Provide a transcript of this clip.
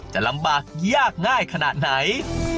จะลำบากยากง่ายขนาดไหน